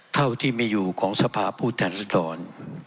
เท่าที่มีอยู่ของสภาพผู้แทนรัศดร